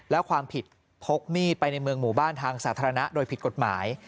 และความผิดพกมีดไปในเมืองหมู่บ้านทางสาธารณะโดยผิดกฎหมาย